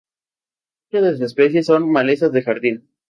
Muchas de sus especies son malezas de jardín.